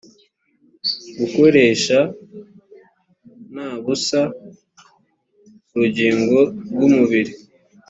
gukoresha na busa urugingo rw’umubiri